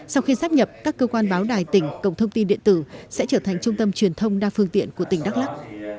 sau khi sắp nhập các cơ quan báo đài tỉnh cổng thông tin điện tử sẽ trở thành trung tâm truyền thông đa phương tiện của tỉnh đắk lắc